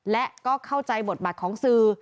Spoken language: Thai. และก็เข้าใจบทบาทของสื่อ